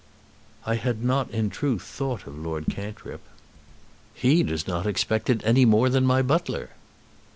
"I had not, in truth, thought of Lord Cantrip." "He does not expect it any more than my butler."